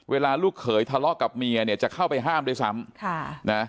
ลูกเขยทะเลาะกับเมียเนี่ยจะเข้าไปห้ามด้วยซ้ำ